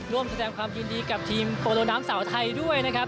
ร่วมแสดงความยินดีกับทีมโปโลน้ำสาวไทยด้วยนะครับ